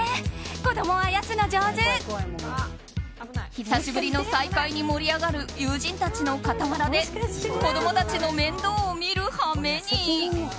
久しぶりの再会に盛り上がる友人たちの傍らで子供たちの面倒を見るはめに。